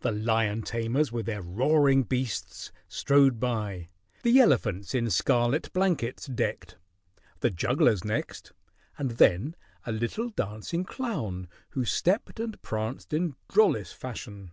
The lion tamers with their roaring beasts strode by, the elephants in scarlet blankets decked, the jugglers next, and then a little dancing clown who stepped and pranced in drollest fashion.